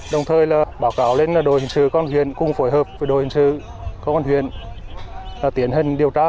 đồng thời báo cáo lên đội hình sự con huyền cùng phối hợp với đội hình sự con huyền tiến hình điều tra